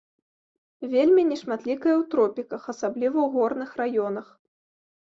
Вельмі нешматлікая ў тропіках, асабліва ў горных раёнах.